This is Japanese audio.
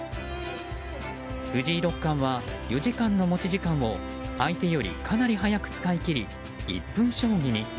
藤井六冠は４時間の持ち時間を相手よりかなり早く使い切り１分将棋に。